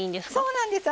そうなんです。